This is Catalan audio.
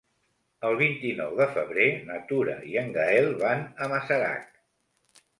El vint-i-nou de febrer na Tura i en Gaël van a Masarac.